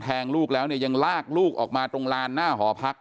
ลูกแล้วเนี่ยยังลากลูกออกมาตรงลานหน้าหอพัก